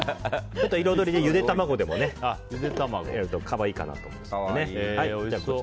彩りでゆで卵でもやると可愛いかなと思います。